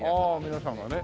皆さんがね。